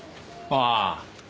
ああ。